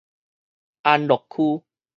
安樂區